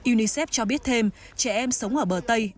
unicef cho biết thêm trẻ em sống ở bờ tây